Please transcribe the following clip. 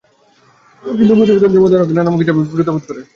কিন্তু প্রতিবেদন জমা দেওয়ার আগে নানামুখী চাপে বিব্রত বোধ করে অব্যাহতি নিয়েছি।